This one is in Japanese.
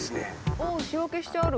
おお仕分けしてある。